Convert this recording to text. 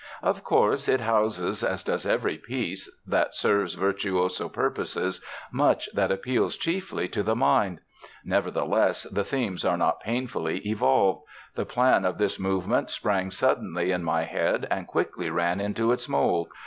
"Of course, it houses, as does every piece that serves virtuoso purposes, much that appeals chiefly to the mind; nevertheless, the themes are not painfully evolved: the plan of this movement sprang suddenly in my head and quickly ran into its mould.